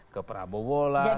ke prabowo lah kemudian